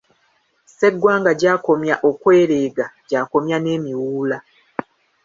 Sseggwanga gy'akomya okwereega, gy'akomya n'emiwuula.